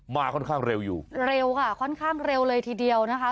มาค่อนข้างเร็วอยู่เร็วค่ะค่อนข้างเร็วเลยทีเดียวนะคะ